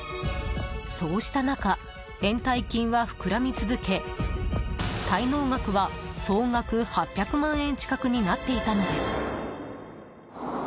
そうした中延滞金は膨らみ続け滞納額は総額８００万円近くになっていたのです。